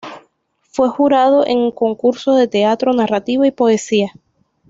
Fue jurado en concursos de teatro, narrativa y poesía.